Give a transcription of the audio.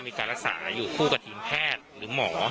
มีการรักษาอยู่คู่กับทีมแพทย์หรือหมอ